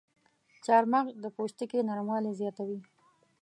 چارمغز د پوستکي نرموالی زیاتوي.